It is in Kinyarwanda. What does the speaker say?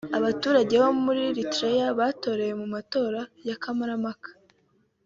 Abaturage bo muri Eritrea batoreye mu matora ya kamarampaka